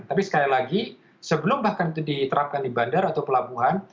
tapi sekali lagi sebelum bahkan itu diterapkan di bandar atau pelabuhan